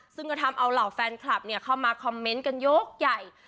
ซึ่งก็ทำเอาเหล่าแฟนคลับเข้ามาคอมเมนต์กันยกใหญ่